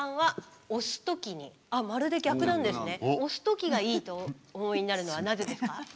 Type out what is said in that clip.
押す時がいいとお思いになるのはなぜですか？